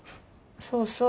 そうそう。